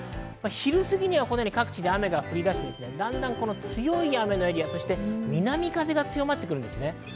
昼過ぎには各地で雨が降り出して、だんだん強い雨のエリア、南風が強まってくるんですね。